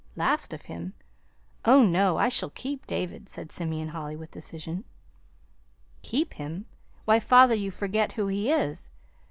"Last of him? Oh, no, I shall keep David," said Simeon Holly, with decision. "Keep him! Why, father, you forget who he is!